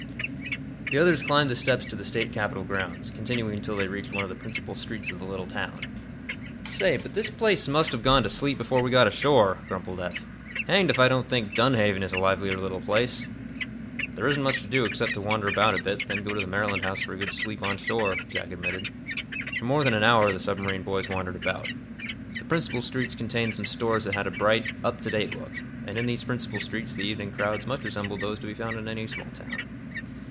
The others climbed the steps to the State Capitol grounds, continuing until they reached one of the principal streets of the little town. "Say, but this place must have gone to sleep before we got ashore," grumbled Eph. "Hanged if I don't think Dunhaven is a livelier little place!" "There isn't much to do, except to wander about a bit, then go to the Maryland House for a good sleep on shore," Jack admitted. For more than an hour the submarine boys wandered about. The principal streets contained some stores that had a bright, up to date look, and in these principal streets the evening crowds much resembled those to be found in any small town.